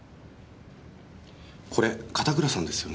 これ片倉さんですよね？